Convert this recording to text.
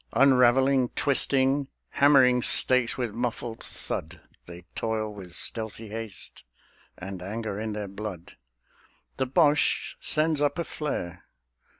Unravelling; twisting; hammering stakes with muffled thud, They toil with stealthy haste and anger in their blood. The Boche sends up a flare.